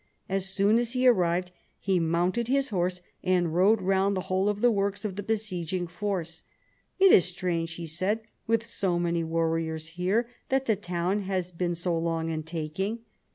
As soon as he arrived he mounted his horse and rode round the whole of the works of the besieging force. "It is strange," he said, "with so many warriors here, that the town has been so long in taking."